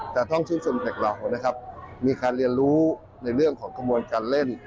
แต่ต้องชื่นชมเด็กเรานะครับมีการเรียนรู้ในเรื่องของกระบวนการเล่น